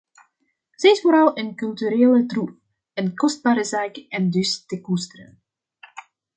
Ze is vooral een culturele troef, een kostbare zaak en dus te koesteren.